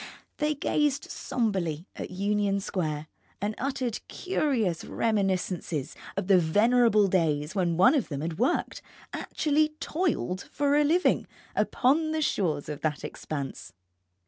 They gazed sombrely at Union Square, and uttered curious reminiscences of the venerable days when one of them had worked, actually toiled for a living, upon the shores of that expanse.